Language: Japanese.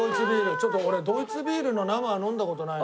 ちょっと俺ドイツビールの生は飲んだ事ないな。